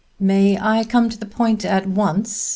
"May I come to the point at once?"